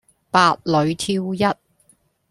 百裏挑一